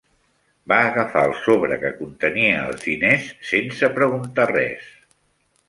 Va agafar el sobre que contenia els diners sense preguntar res.